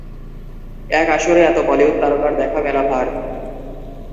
এক আসরে এত বলিউড তারকার দেখা মেলা ভার